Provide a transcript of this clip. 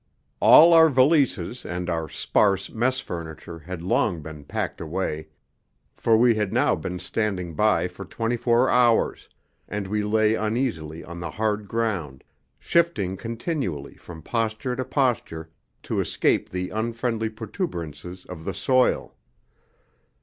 All our valises and our sparse mess furniture had long been packed away, for we had now been standing by for twenty four hours, and we lay uneasily on the hard ground, shifting continually from posture to posture to escape the unfriendly protuberances of the soil.